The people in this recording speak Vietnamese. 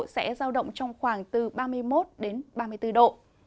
sẽ giao động trong khoảng từ ba mươi một đến ba mươi bốn độ